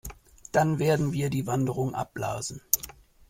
Dann werden wir die Wanderung abblasen.